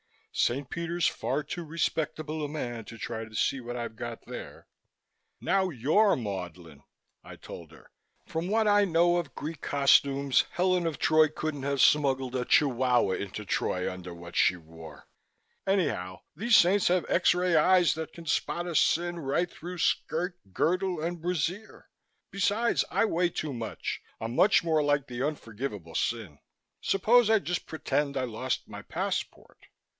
St. Peter's far too respectable a man to try to see what I've got there." "Now you're maudlin," I told her. "From what I know of Greek costumes, Helen of Troy couldn't have smuggled a Chihuahua into Troy under what she wore. Anyhow, these saints have X ray eyes that can spot a sin right through skirt, girdle and brassiere. Besides, I weigh too much. I'm much more like the unforgivable sin. Suppose I just pretend I lost my passport."